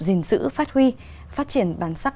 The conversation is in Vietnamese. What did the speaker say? giữ phát huy phát triển bản sắc